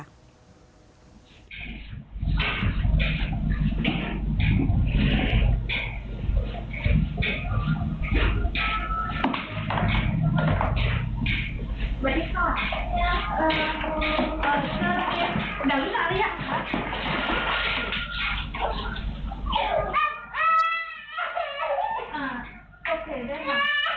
โอเคได้ไหม